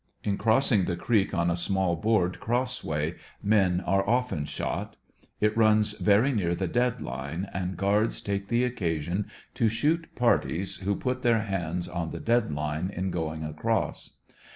In crossing the creek on a small board crossway men are often shot. It runs very near ANDEBSONVILLE JDIAE Y. 5 1 the dead line, and guards take the occasion to shoot parties who put their hanis on the dead line in going across.